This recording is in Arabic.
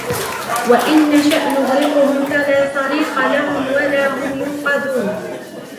وإن نشأ نغرقهم فلا صريخ لهم ولا هم ينقذون